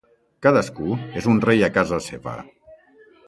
Cadascú és un rei a casa seva.